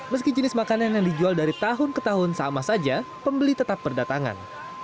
meski jenis makanan yang dijual dari tahun ke tahun sama saja pembeli tetap berdatangan